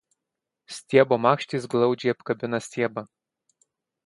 Stiebo makštys glaudžiai apkabina stiebą.